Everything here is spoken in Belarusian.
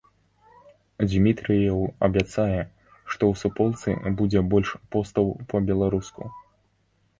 Дзмітрыеў абяцае, што ў суполцы будзе больш постаў па-беларуску.